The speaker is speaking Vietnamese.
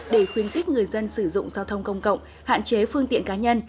để khuyến khích người dân sử dụng giao thông công cộng hạn chế phương tiện cá nhân